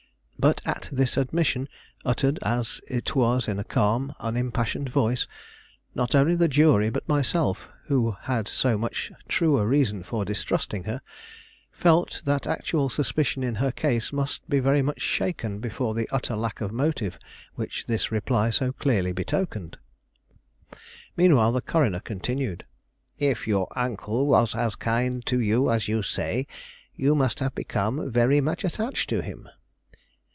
But at this admission, uttered as it was in a calm, unimpassioned voice, not only the jury, but myself, who had so much truer reason for distrusting her, felt that actual suspicion in her case must be very much shaken before the utter lack of motive which this reply so clearly betokened. Meanwhile the coroner continued: "If your uncle was as kind to you as you say, you must have become very much attached to him?"